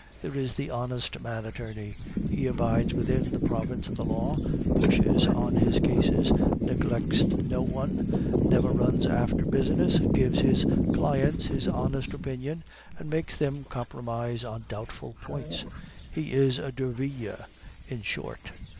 There is the honest man attorney; he abides within the province of the law, pushes on his cases, neglects no one, never runs after business, gives his clients his honest opinion, and makes them compromise on doubtful points he is a Derville, in short.